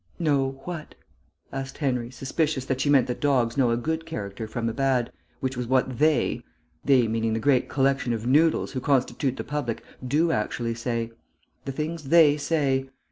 "Know what?" asked Henry, suspicious that she meant that dogs know a good character from a bad, which was what "they" ("they" meaning the great collection of noodles who constitute the public) do actually say. The things "they" say!